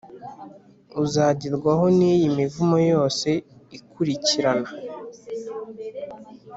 uzagerwaho n’iyi mivumo yose ikurikirana